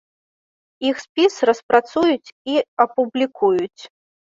Іх спіс распрацуюць і апублікуюць.